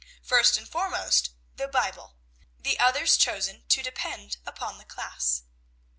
First and foremost the Bible, the others chosen to depend upon the class.